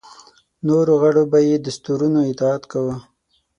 نورو غړو به یې دستورونو اطاعت کاوه.